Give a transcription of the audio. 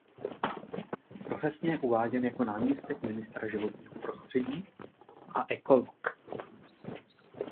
Profesně je uváděn jako náměstek ministra životního prostředí a ekolog.